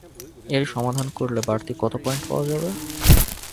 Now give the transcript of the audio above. এর সমাধান করলে বাড়তি কত পয়েন্ট পাওয়া যাবে?